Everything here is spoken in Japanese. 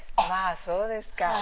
まあそうですか。